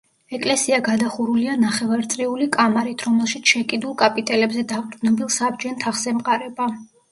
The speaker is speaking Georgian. ეკლესია გადახურულია ნახევარწრიული კამარით, რომელშიც შეკიდულ კაპიტელებზე დაყრდნობილ საბჯენ თაღს ემყარება.